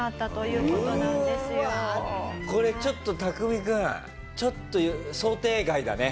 これちょっとタクミ君ちょっと想定外だね。